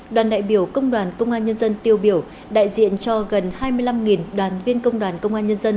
đoàn đại biểu công đoàn công an nhân dân tiêu biểu đại diện cho gần hai mươi năm đoàn viên công đoàn công an nhân dân